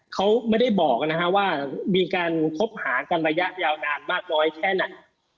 เขาไม่ได้บอกนะฮะว่ามีการคบหากันระยะยาวนานมากน้อยแค่ไหน